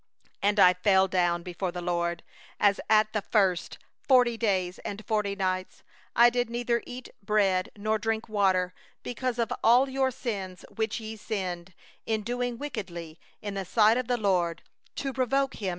18And I fell down before the LORD, as at the first, forty days and forty nights; I did neither eat bread nor drink water; because of all your sin which ye sinned, in doing that which was evil in the sight of the LORD, to provoke Him.